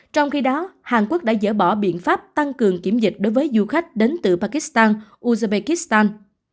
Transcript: trong khi đó hàn quốc đã dỡ bỏ biện pháp tăng cường kiểm dịch đối với du khách đến từ pakistan uzbekistan